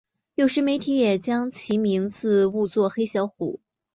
有时媒体也将其名字误作黑小虎。